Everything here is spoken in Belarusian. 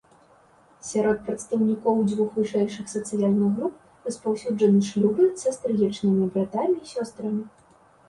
Сярод прадстаўнікоў дзвюх вышэйшых сацыяльных груп распаўсюджаны шлюбы са стрыечнымі братамі і сёстрамі.